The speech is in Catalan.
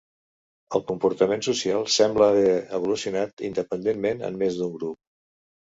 El comportament social sembla haver evolucionat independentment en més d'un grup.